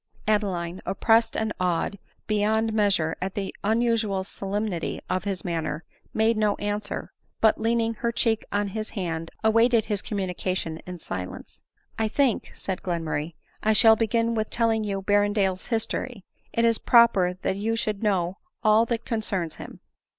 Adeline, oppressed and awed beyond measure at the unusual solemnity of his manner, made no answer ; but, leaning her cheek on his hand, awaited his communica tion in silence. " I think," said Glenmurray, " I shall begin with telling you Berrendale's history : it is prpper that you should know all that concerns him."